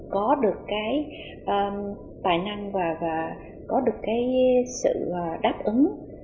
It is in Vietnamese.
có được cái tài năng và có được cái sự đáp ứng